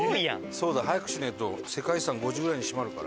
そうだ早くしねえと世界遺産５時ぐらいに閉まるから。